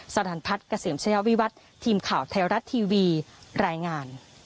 สรรพัฒน์เกษมชายวิวัฒน์ทีมข่าวไทยรัฐทีวีรายงาน